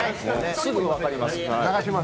すぐ分かります。